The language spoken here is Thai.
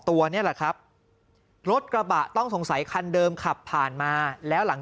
ตัวนี่แหละครับรถกระบะต้องสงสัยคันเดิมขับผ่านมาแล้วหลัง